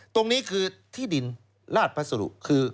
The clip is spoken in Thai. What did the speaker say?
ตรงนี้คือที่ดินราชพัสดุคือ